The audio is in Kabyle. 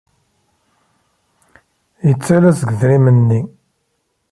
Yettalas deg yidrimen-nni.